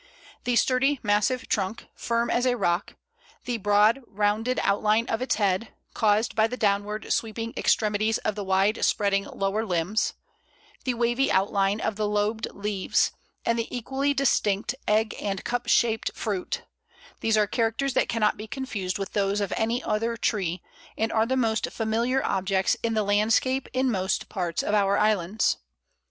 The sturdy, massive trunk, firm as a rock; the broad, rounded outline of its head, caused by the downward sweeping extremities of the wide spreading lower limbs; the wavy outline of the lobed leaves, and the equally distinct egg and cup shaped fruit these are characters that cannot be confused with those of any other tree, and are the most familiar objects in the landscape in most parts of our islands.